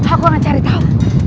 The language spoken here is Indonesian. aku akan cari tahu